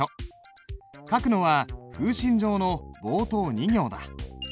書くのは「風信帖」の冒頭２行だ。